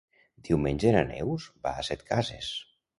Diumenge na Neus va a Setcases.